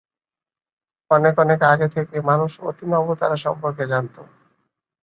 অনেক অনেক আগে থেকেই মানুষ অতিনবতারা সম্পর্কে জানত।